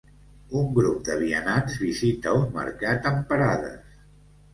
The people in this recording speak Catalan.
Un grup de vianants visita un mercat amb parades.